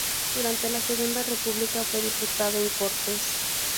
Durante la Segunda República fue diputado en Cortes.